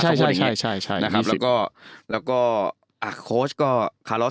ใช่ใช่ใช่ใช่ใช่ใช่แล้วก็แล้วก็อ่าโค้ชก็คารอส